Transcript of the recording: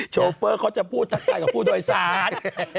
โชเฟอร์เขาจะพูดทักทายกับผู้โดยสาร